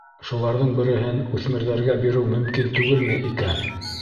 Шуларҙың береһен үҫмерҙәргә биреү мөмкин түгелме икән?